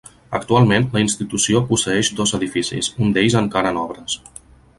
Actualment la institució posseeix dos edificis, un d'ells encara en obres.